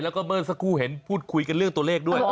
แล้วก็เมื่อสักครู่เห็นพูดคุยกันเรื่องตัวเลขด้วย